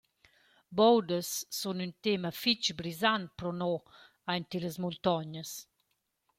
Boudas sun ün tema fich brisant pro nus aint illas muntognas.